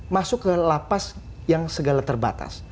masuk ke lapas yang segala terbatas